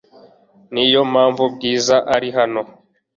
Niyo mpamvu Bwiza ari hano .